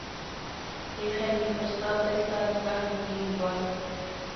اىښى مې پر سر دى ستا د مخ د مينې گل